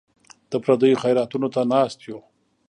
د پردیو خیراتونو ته ناست یو.